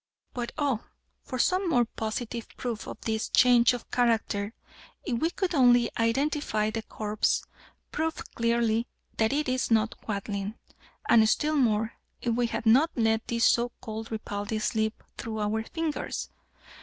"But oh! for some more positive proof of this change of character! If we could only identify the corpse, prove clearly that it is not Quadling. And still more, if we had not let this so called Ripaldi slip through our fingers!